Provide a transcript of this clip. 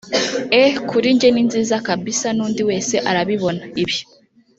e kuri njye ni nziza kabisa n’undi wese arabibona – Ibi